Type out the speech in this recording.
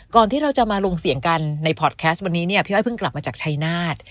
ที่เราจะมาลงเสียงกันในพอร์ตแคสต์วันนี้เนี่ยพี่อ้อยเพิ่งกลับมาจากชัยนาธ